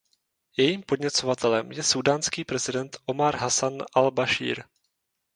Jejím podněcovatelem je súdánský prezident Omar Hassan al-Bašír.